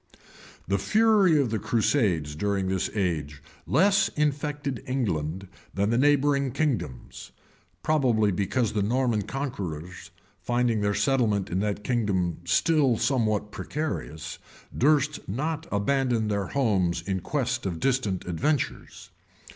The fury of the crusades during this age less infected England than the neighboring kingdoms; probably because the Norman conquerors, finding their settlement in that kingdom still somewhat precarious, durst not abandon their homes in quest of distant adventures.